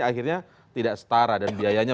akhirnya tidak setara dan biayanya